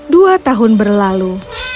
dua tahun berlalu